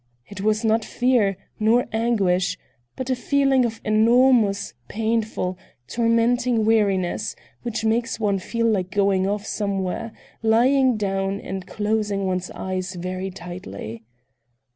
It was not fear, nor anguish, but a feeling of enormous, painful, tormenting weariness which makes one feel like going off somewhere, lying down and closing one's eyes very tightly.